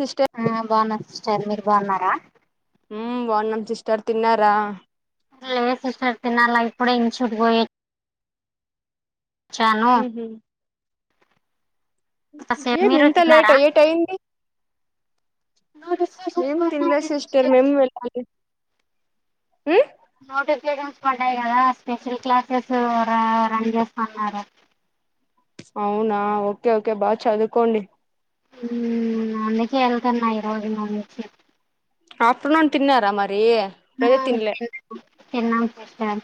Sister ఆ బాగున్న sister మీరు బాగున్నారా ఉ బాగున్నాం సిస్టర్ తిన్నారా లే సిస్టర్ తినాలప్పు కూడా ఇన్ చూట్ పోయలే చను ఉహు కాసేపు ఏమి మీరు ఇంత లేట్ తిన్నారా ఏట్యియంది నోటిఫికేషన్స్ మేం పడ్డాయి తినలే సిస్టర్ మేము వె ఉ నోటిఫికేషన్స్ పడ్డాయి కదా స్పెషల్ క్లాసెస్ రన్ చేస్తున్నారు అవునా ఓకే ఓకే బా చదువుకోండి ఉ అందుకే వెళ్తాన్న ఈ రోజు నుంచి ఆఫ్టర్నూన్ తిన్నారా మరి ప్రజ మ్మ్, తినలే తిన్నాం తిన్నాం సిస్టర్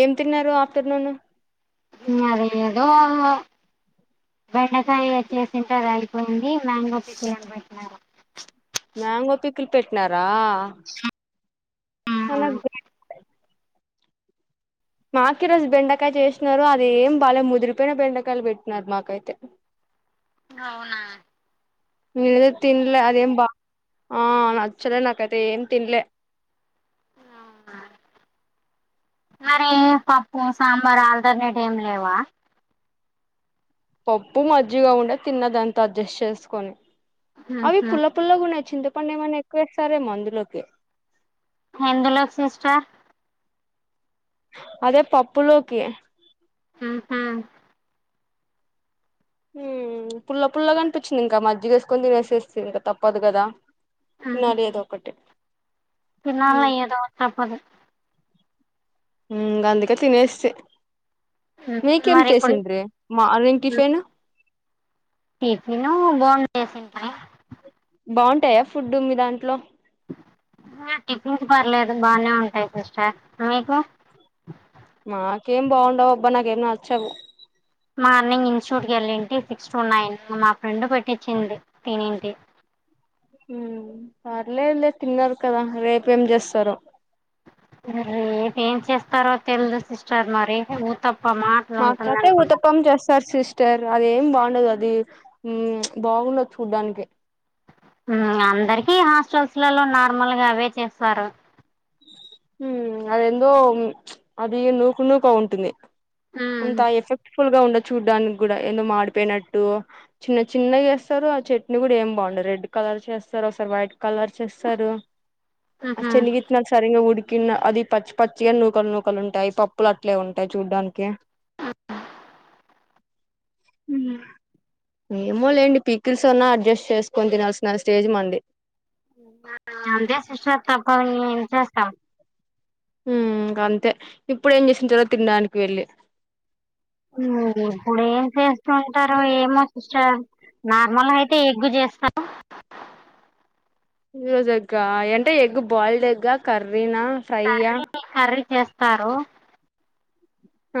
ఏం తిన్నారు ఆఫ్టర్నూను అదే ఏదో బెండకాయ వచ్చేసింట తింటారండీ మ్యాంగో పికిల్ పెట్నారు మ్యాంగో పిక్కులు పెట్టినారా మ్మ్. [unintelligible] మాకు ఈ రోజు బెండకాయ చేస్తున్నారు అది ఏం బాలే ముదిరిపోయిన బెండకాయలు పెట్టిన మాకైతే [inaudible] అవునా ఇది తినలే అదే బా ఆ నచ్చలె నాకైతే ఏం తిన్లే అవునా మరి పప్పు సాంబార్ ఆల్టర్నేట్ ఏమి లేవా పప్పు మజ్జిగా ఉండే తిన్నదంతా అడ్జస్ట్ చేసుకొని అవి ఉహు పుల్ల పుల్ల గున్నాయ్ చింతపండు ఏమనా ఎక్కువేస్తారేమో అందులోకి హ్యాండులోసిస్ట్ అదే పప్పులోకి ఉహు హు పుల్ల పుల్లగా అనిపించింది ఇంకా మజ్జిగేసుకొని తినేసేస్తుంది ఇంకా తప్పదు కదా తీన్నాలి ఏదో ఒక్కటి తినాలి ఏదో ఒకటి తప్పదు గధికే తినేస్తే మీకేం మరి ఇప్పుడు చేసిండ్రీ మార్నింగ్ టిఫిన్ టిఫిన్ బోండా చేసిర్ర బాగుంటాయా ఫుడ్ మీ దాంట్లో టిఫిన్స్ పర్లేదు బాగానే ఉంటాయి సిస్టర్ మీకు మాకేం బాగుండవు అబ్బా నాకేం నచ్చవు మార్నింగ్ ఇన్స్టిట్యూట్ వెళ్ళింటి సిక్స్ టు నైన్ మా ఫ్రెండ్ పెట్టించిన్ది తినింది [inaudible] ఉమ్ పర్లేదు లేదు లే తిన్నారు కదా రేపేం చేస్తారో రేపు ఏం చేస్తారో తెలిదు సిస్టర్ మరి ఊత మా కతే ఊతపమ్ చేస్తారు సిస్టర్ అదేం బాగుండదు అది బాగుండదు చూడ్డానికి అందరికి హాస్టల్స్లలో నార్మల్ గా అవే చేస్తారు ఉమ్ అది ఎందో అది నూకు నూకా ఉంటుంది ఉమ్ ఉంతా ఎఫెక్ట్ఫుల్ గా ఉండద్ చూడ్డానికి కూడా ఏదో మాడిపోయినట్టు చిన్న చిన్నగా ఏస్తారు ఆ చట్నీ కూడా ఏం బాగుండదు రెడ్ కలర్ చేస్తారు ఒకసారి వైట్ కలర్స్ ఏస్తారు ఆ ఉహు చినిగి సరిగా ఉడికిన అది పచ్చి పచ్చిగా నూకలు నూకలు ఉంటాయి పప్పులు అట్లానే ఉంటాయి చూడ్డానికి ఉమ్ ఏమో లేండి పీకిల్స్ ఉన్నా అడ్జస్ట్ చేసుకొని తినల్సిన స్టేజ్ మంది అంతే సిస్టర్ తప్ప ఏం చేస్తాం ఉమ్ ఇగ అంతే ఇప్పుడేమ్ చేసి ఉంచిర్రో తినడానికి వెళ్ళి ఉమ్ ఇప్పుడు ఏం చేస్తుంటారు ఏమో సిస్టర్ నార్మల్ అయితే ఎగ్గు చేస్తారు ఈ రోజు ఎగ్ ఆ అంటే ఎగ్ బాయిల్డ్ ఎగ్గా కర్ర ర్రీనా ఫ్రై ఆ కర్రీ చేస్తారు ఆ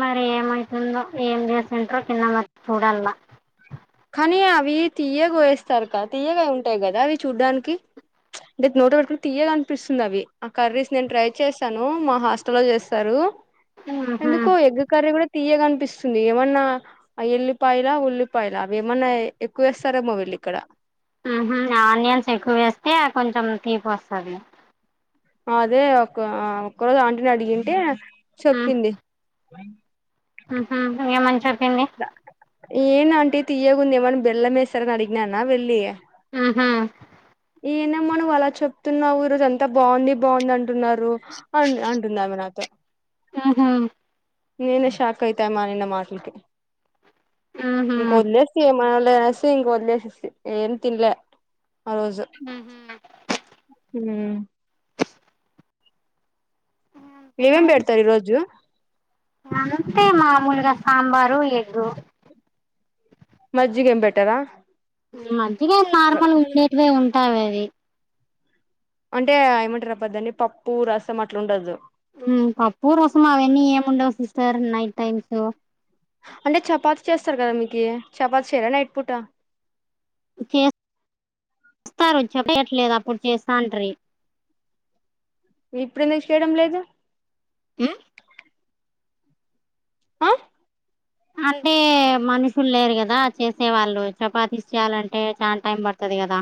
మరి ఏమైతుందో ఏం చేసింద్రో కింద మ చూడాలమా కానీ అవి తీయగ వయేస్తారు కదా తీయగా ఉంటాయి కదా అవి చూడ్డానికి అంటే నోట్లో పెట్టుకుంటే తీయగా అనిపిస్తుంది అవి ఆ కర్రీస్ నేను ట్రై చేస్తాను మా హాస్టల్ లో చేస్తారు ఉహు ఎందుకో ఎగ్ కర్రీ కూడా తీయగనిపిస్తుంది ఏమన్నా ఆ ఎల్లిపాయలా ఉల్లిపాయలా ఏమన్నా ఎక్కువ చేస్తారో వీళ్లు ఇక్కడ ఉ హు ఆనియన్స్ ఎక్కువ వేస్తే కొంచెం తీపి వస్తుంది అదే ఒక ఒక్క రోజు ఆంటిని అడిగింటే చెప్పింది [inaudible] ఉ హు ఏమని చెప్పింది ఏంది ఆంటీ తీయగా ఉంది ఏమైన్నా బెల్లం వేశారా అని అడిగినానా వెళ్ళి ఉ హు ఏందమ్మా నువ్వు అలా చెప్తున్నావ్ ఈ రోజంతా బావుంది బావుంది అంటున్నారు అ అంటున్నారు ఆమె నాతో ఉహు నీనే షాక్ అయితే మా ఆయన మాటలకి ఉహు ఇంక వదిలేసి ఏమ అట్లా అని వదిలేసిన ఆ రోజంతా ఏం తినలే ఉ హు ఉ మీరేమీ పెడతారు ఈ రోజు అంతే మామూలుగా సాంబారు ఎగ్గు మజ్జిగ ఎం బెటార మజ్జిగ ఎం నార్మల్ ఉండేటీవే ఉంటావు అది అంటే ఏమంటారు అబ్బా అది పప్పు రసం అట్లా ఉండదు సార్ నైట్ టైమ్స్ అంటే చపాతి చేస్తారు కదా మీకు చపాతి చేయర నైట్ పూట చేస్ చేస్తారు చెప్పయట్లేదు అప్పుడు చేస్తాంట్రీ ఇప్పుడు ఎందుకు చేయడం లేదు ఆ అంటే మనుషులు లేరు కదా చేసే వాళ్ళు చపాతీ చేయాలంటే చాలా టైం పడతది అంతే కదా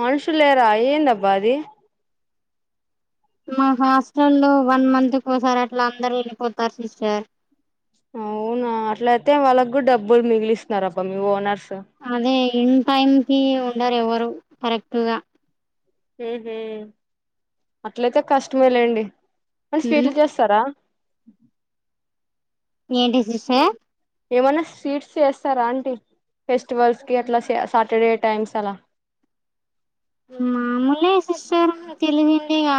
మనుషులు లేరా ఏందబ్బా అది మా హాస్టల్లో వన్ మంత్ కోసారి అట్లా అందరు వెళ్ళిపోతారు సిస్టర్ అవునా అట్లయితే వాళ్ళకు డబ్బులు మిగిలిస్తున్నారు అబ్బా మీ ఓనర్స్ అదే ఇన్ టైం కి ఉండరు ఎవరు కరెక్ట్ గా ఉ హు అట్లయితే కష్టమే లేండి వాళ్లు స్వీట్లు చేస్తారా ఏంటి సిస్టర్ ఏమైన్నా స్వీట్స్ చేస్తారా ఆంటీ ఫెస్టివల్స్ కి అట్లా సాటర్డే టైమ్స్ అలా [inaudible] మామూలే సిస్టర్ తెలుగు అంతేగా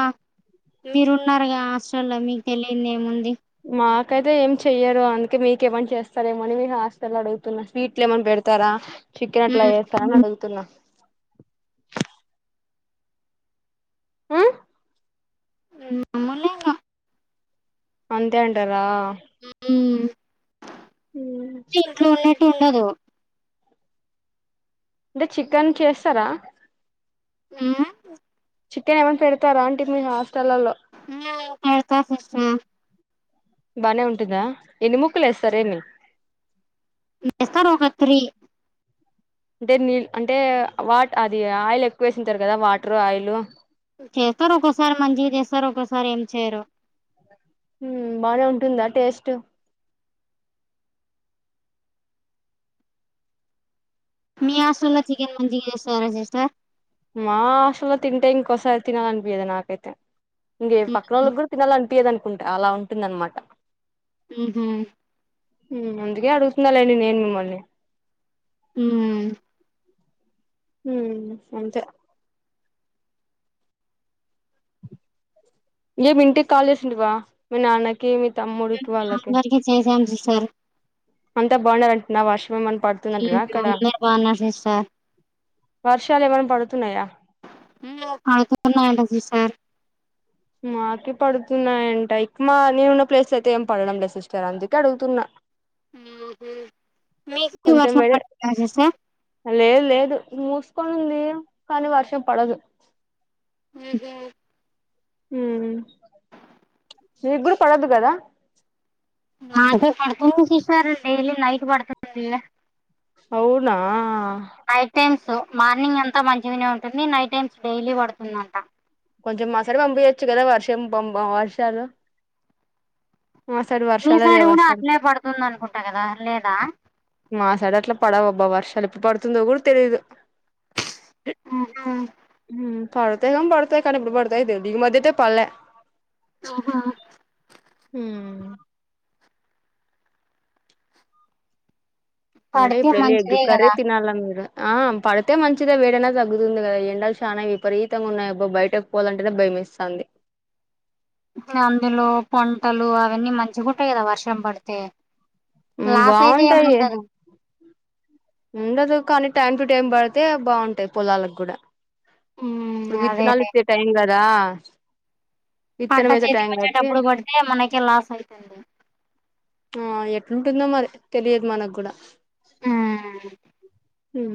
మీరు ఉన్నారు గా హాస్టల్లో మీకు తెలియంది ఏముంది మాకైతే ఏం చెయరు అందుకే మీకేమని చేస్తారు ఏమని మీరు హాస్టల్ లో అడుగుతున్నా స్వీట్లు ఏమన్నా పెడతారా చికెన్ అట్లా చేస్తున్నారు అని అడుగుతున్నా ఉమ్ ఉ అమ్ములు ఇంకా అంతే అంటారా ఉ ఉమ్ ఇంట్లో ఉన్నట్టు ఉండదు అంటే చికెన్ చేస్తారా ఉ చికెన్ ఏమన్నా పెడతారా ఆంటీ మీ హాస్టల్లో ఆ పెడతారు సిస్టర్ బానే ఉంటుందా ఎన్ని ముక్కలు వేస్తారు ఎన్ని వేస్తారు ఒక త్రీ అంటే నీళ్ళ అంటే వా అది ఆయిల్ ఎక్కువ వేసింటారు కదా వాటర్ ఆయిల్ చేస్తారు ఒక్కోసారి మంచిగా చేస్తారు ఒక్కోసారి ఏం చేయరు ఉమ్ బానే ఉంటుందా టేస్ట్ మీ హాస్టల్లో చికెన్ మంచిగా చేస్తారా సిస్టర్. మా హాస్టల్లో తింటే ఇంకొసారి తినాలి అనిపియదు నాకైతే ఇంకే పక్కనోళ్ళకి మ్మ్ కూడా తినాలని అనిపియ్యదు అనుకుంటే అలా ఉంటుందనమాట. ఉహూ ఉమ్ అందుకే అడుగుతున్న లెండి నేను మిమ్మల్ని ఉమ్ ఉమ్ అంతే ఏం ఇంటికి కాల్ చేసి ఉంటివా మీ నాన్నకి మి తమ్ముడి ఇకి వాళ్ళకి అందరికి చేసాం సిస్టర్ అంతా బాగుండర ఉమ్ అందరూ బాగున్నారు సిస్టర్ వర్షాలు ఏమైనా పడుతున్నాయా కాకన్నాంట సిస్టర్ మాకి పడుతున్నాయంట ఇక్ మా నేనున్న ప్లేస్ అయితే ఏం పడడం లేదు సిస్టర్ అందుకే అడుగుతున్నా మీ కొంచెం వర్షం వేడి పడుతుందా సిస్టర్ లేదు లేదు మూసుకోనింది కానీ వర్షం పడదు ఉహూ ఉం మీ కూడా పడద్దు కదా మాకు పడుతుంది సిస్టర్ డైలీ నైట్ పడుతుంది ఇడ అవునా టైమ్స్ మార్నింగ్ అంత మంచిగానే ఉంటుంది నైట్ టైమ్స్ డైలీ పడుతుందంట కొంచం మా సైడ్ పంపియచ్చు కదా వర్షం పం వర్షం వర్షాలు మా సైడ్ మీ వర్షాలే సైడ్ లేవు కూడా అసలు అట్లే పడుతుందనుకుంటా కదా లేదా మా సైడ్ అట్లా పడవబ్బా వర్షాలు ఎప్పుడు పడుతుందో కూడా తెలీదు. ఆహా పడుతాయి కం బడుతాయి కనీ ఎప్పుడు బడుతాయిదేవు దీ ఈ మధ్యతే పల్లే ఉహు ఉమ్ అంటే పడితే ఇప్పుడు ఎల్లీ ఎగ్గు మంచిదే కర్రే కదా తినాలా మీరు ఆ పడితే మంచిదే వేడైనా తగ్గుతుంది కదా ఎండాలు చానాయి విపరీతంగా ఉన్నాయి అబ్బో బయటకు పోవాలంటేనే భయం వేస్తంది అందులో పంటలు అవన్నీ మంచిగాగుంటాయి కదా వర్షం పడితే లాస్ అయితే బాగుంటాయి ఏముండదు. ఉండదు కానీ టైమ్ టు టైం పడితే బాగుంటది పొలాలకు కూడా ఇప్పుడు ఉమ్ విత్తనాలు అదేలే విత్తే టైం కదా పంట విత్తనం వేసే చేతికి టైం కాబట్టి వచ్చేటబ్ప్పుడు పడితే మనకే లాస్ అయితుంది ఆ ఎట్లుంటుందో మరి తెలియదు మనకు కూడా ఆ ఉం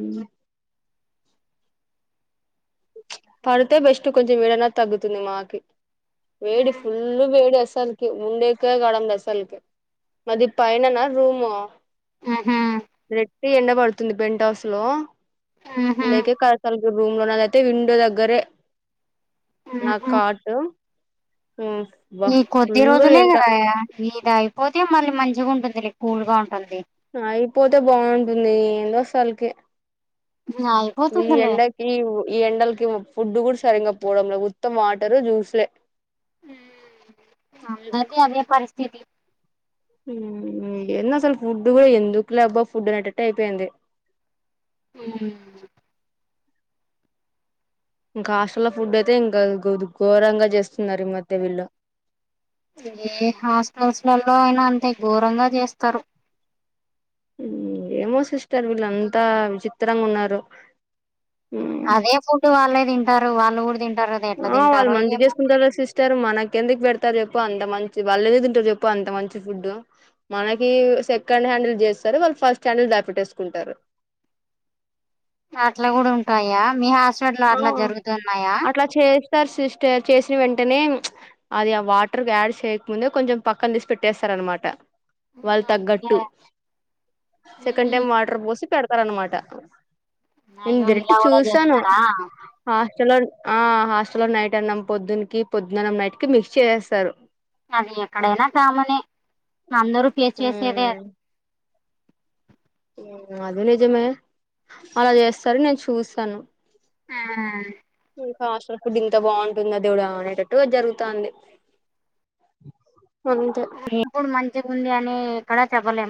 పడితే బెస్ట్ కొంచెం వేడన్న తగ్గుతుంది మాకి వేడి ఫుల్ వేడి అసాల్కి ఉండేకా కావడం లేదు అసల్కి మాది పైననా రూము మ్ హూ ఇప్పటికే ఎండ పడుతుంది పెంట్ హౌస్ లో ఉహు లేకసలు రూమ్ లో లేయితే విండో దగ్గర గదే నా ఉహు కాట్ బా ఈ కొద్ది ఫుల్ రోజులే ఎండ కదా అయ్యా ఇది అయిపోతే మళ్ళీ మంచిగా ఉంటుంది కూల్ గా ఉంటుంది. అయిపోతే బాగుంటుంది ఏందోసలకి ఈ అయిపోతుందిలే ఎండకి ఈ ఎండలకి ఫుడ్ కూడా సరింగా పోవడంలో ఉత్త వాటరు, జ్యూస్లే. మ్ అందరిది అదే పరిస్థితి. ఎండ అసలు ఫుడ్ కూడా ఎందుకు లేబ్బా ఫుడ్ అనేటట్టటు అయిపోయింది. మ్ హూ ఇంకా హాస్టల్ ఫుడ్ అయితే ఇంకా ఘోరంగా చేస్తున్నారు ఈ మధ్య వీళ్ళ ఏ హాస్టల్స్లలో అయినా అంతే ఘోరంగా చేస్తారు. ఏమో సిస్టర్ వీళ్ళుంతా విచిత్రంగా ఉన్నారు. అదే ఫుడ్ వాళ్ళే కూడ తింటారు వాళ్ళు కూడా తింటారు. కదా ఎట్లా ఆ వాళ్ళు తింటారో మంచిగా ఏమో చేసుకుంటారు సిస్టర్ మనకు ఎందుకు పెడతారు. ఒకసారి చెప్పు అంత మంచి వాళ్ళ తింటారు చెప్పు అంత మంచి ఫుడ్డు మనకి సెకండ్ హ్యాండిల్ చేస్తా సరే వాళ్ళు ఫస్టులోనే ద్యాపట్టేసుకుంటారు అట్లా కూడా ఉంటాయా? మీ హాస్పిటల్లో అట్లా జరుగుతున్నాయా? సార్ సిస్ట చేసిన వెంటనే అది ఆ వాటర్ యాడ్ చేయకముందే కొంచెం పక్కన తీసి పెట్టేస్తారు అన్నమాట. వాళ్ళు ఓకే. తగ్గట్టు. సెకండ్ మ్హూ. టైం వాటర్ పోసి పెడత పెడతారన్నమాట నేను అయ్యో డైరెక్టు ఇలా కూడా చూసాను. చేస్తారా హాస్టల్లో ఆ హాస్టల్లో నైట్ అన్నం పొద్దున్నకి, పొద్దున్న అన్నం నైట్ కి మిక్స్ చేసేస్తారు. అది ఎక్కడైనా కామనే అందరూ చేసేదే అదీ నిజమే అలా చేస్తారు నేను చూసాను. మ్ ఇంకా హస్టల్ ఫుడ్ ఇంత బాగుంటుందా దేవుడా అనేటట్టు జరుగుతాంది. అంతే ఇప్పుడు మంచిగా ఉంది అని ఎక్కడా చెప్పలేం